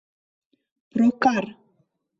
Прокар!